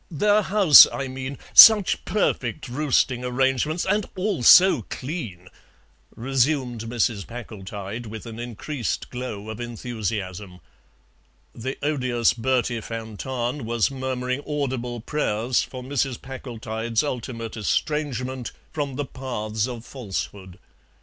"Their house, I mean; such perfect roosting arrangements, and all so clean," resumed Mrs. Packletide, with an increased glow of enthusiasm. The odious Bertie van Tahn was murmuring audible prayers for Mrs. Packletide's ultimate estrangement from the paths of falsehood.